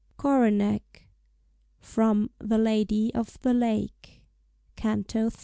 CORONACH. FROM "THE LADY OF THE LAKE," CANTO III.